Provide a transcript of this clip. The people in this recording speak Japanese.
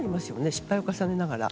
失敗を重ねながら。